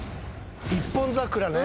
一本桜ね。